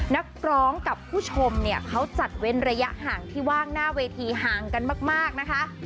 นักร้องกับผู้ชมเนี่ยเขาจัดเว้นระยะห่างที่ว่างหน้าเวทีห่างกันมากนะคะ